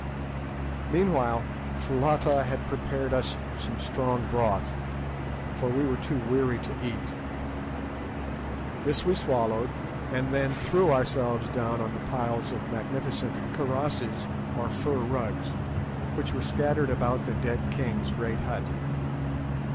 Meanwhile Foulata had prepared us some strong broth, for we were too weary to eat. This we swallowed, and then threw ourselves down on the piles of magnificent karrosses, or fur rugs, which were scattered about the dead king's great hut.